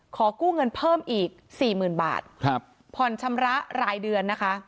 ขอกู้เงินเพิ่มอีกสี่หมื่นบาทครับผ่อนชำระรายเดือนนะคะ